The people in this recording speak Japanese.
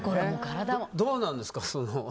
どうなんですか？